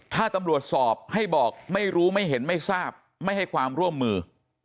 ถ้าตำรวจสอบให้บอกไม่รู้ไม่เห็นไม่ทราบไม่ให้ความร่วมมือ